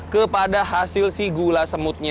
kepada hasil si gula semutnya